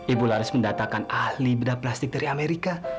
ibu laris mendatangkan ahli bedah plastik dari amerika